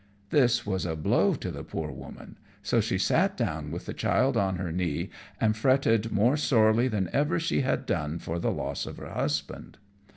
This was a blow to the poor woman, so she sat down with the child on her knee and fretted more sorely than ever she had done for the loss of her husband.